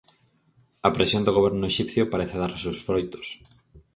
A presión do Goberno exipcio parece dar os seus froitos.